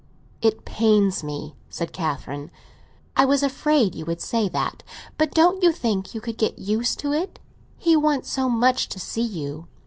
"It pains me," said Catherine. "I was afraid you would say that. But don't you think you could get used to it? He wants so much to see you."